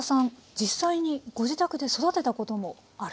実際にご自宅で育てたこともある。